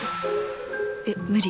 えっ無理